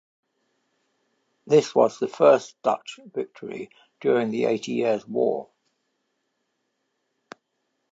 This was the first Dutch victory during the Eighty Years' War.